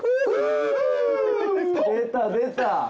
出た出た！